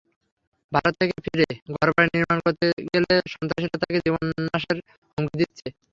ভারত থেকে ফিরে ঘরবাড়ি নির্মাণ করতে গেলে সন্ত্রাসীরা তাঁদের জীবননাশের হুমকি দিচ্ছে।